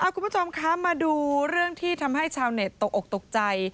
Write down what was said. คุณผู้ชมคะมาดูเรื่องที่ทำให้ชาวเน็ตตกอกตกใจ